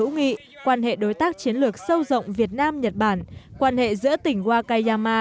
wakayama quan hệ đối tác chiến lược sâu rộng việt nam nhật bản quan hệ giữa tỉnh wakayama